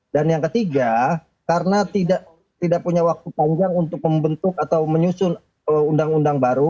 dan yang ketiga karena tidak punya waktu panjang untuk membentuk atau menyusun undang undang baru